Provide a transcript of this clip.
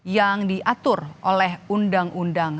yang diatur oleh undang undang